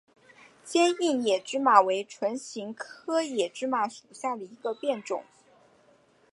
坚硬野芝麻为唇形科野芝麻属下的一个变种。